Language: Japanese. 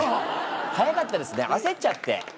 早かったですね焦っちゃって。